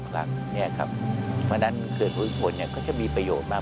เพราะฉะนั้นเขื่อนภูมิพลก็จะมีประโยชน์มา